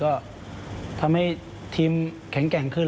ก็ทำให้ทีมแข็งแกร่งขึ้น